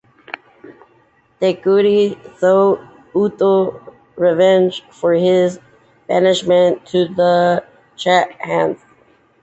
Te Kooti sought "utu" (revenge) for his banishment to the Chathams.